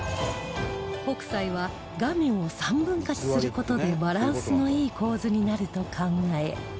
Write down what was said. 北斎は画面を３分割する事でバランスのいい構図になると考え